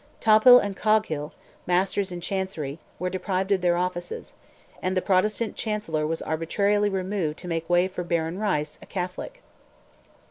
Topham and Coghill, Masters in Chancery, were deprived of their offices, and the Protestant Chancellor was arbitrarily removed to make way for Baron Rice, a Catholic.